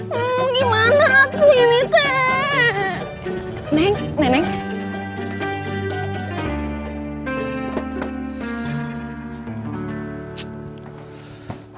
beneran gimana aku ini teh neng nenek